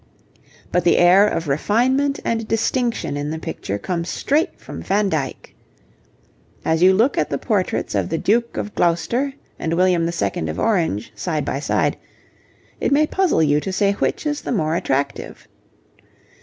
But the air of refinement and distinction in the picture comes straight from Van Dyck. As you look at the portraits of the Duke of Gloucester and William II. of Orange side by side, it may puzzle you to say which is the more attractive.